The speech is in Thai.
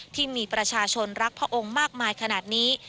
ที่มีประชาชนรักพระองค์มากมายขนาดนี้